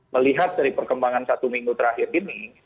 melihat dari perkembangan satu minggu terakhir ini